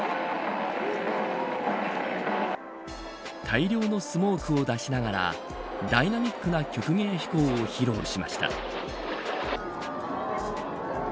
大量のスモークを出しながらダイナミックな曲芸飛行を披露しました。